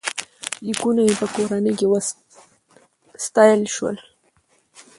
لیکونو یې په کورنۍ کې ستایل شول.